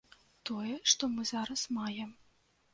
Тое, што мы зараз маем.